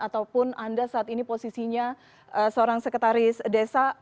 ataupun anda saat ini posisinya seorang sekretaris desa